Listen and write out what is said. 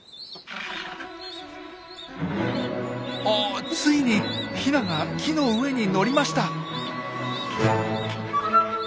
あっついにヒナが木の上に乗りました！